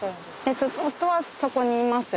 夫はそこにいます。